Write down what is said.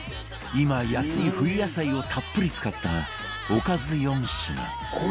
今安い冬野菜をたっぷり使ったおかず４品